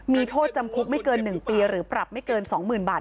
มีโทษจำคุกไม่เกิน๑ปีหรือปรับไม่เกิน๒๐๐๐บาท